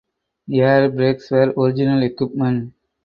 Air brakes were original equipment.